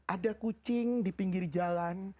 ada kucing di pinggir jalan